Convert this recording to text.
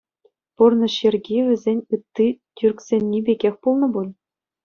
Пурнӑҫ йӗрки вӗсен ытти тӳрксенни пекех пулнӑ пуль?